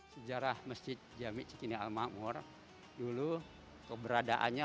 sejarah masjid jamik cikini al maqmur dulu keberadaannya